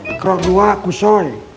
ikhrok dua kusoy